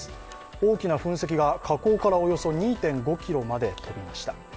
大きな噴石が火口からおよそ２．５ｋｍにまで飛びました。